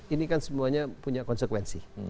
ini kan semuanya punya konsekuensi